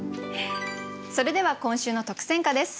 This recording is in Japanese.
それでは今週の特選歌です。